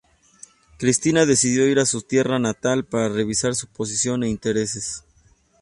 Cristina decidió ir a su tierra natal para revisar su posición e intereses.